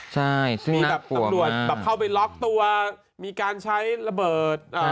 ใช่ซึ่งน่ากลัวมากแบบเข้าไปล็อกตัวมีการใช้ระเบิดอ่า